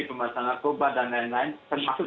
pembatasan narkoba dan lain lain termasuk